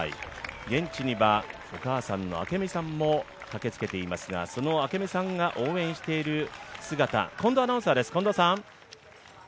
現地にはお母さんの明美さんも駆けつけていますが、明美さんが応援している姿、近藤アナウンサーです。